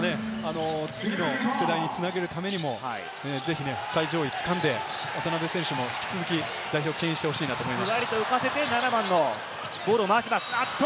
どうしても次の世代に繋げるためにも、ぜひ最上位を掴んで、渡邊選手も引き続き代表をけん引してほしいと思います。